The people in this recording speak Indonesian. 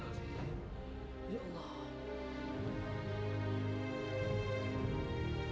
pagi pagi saja sudah bikin ribut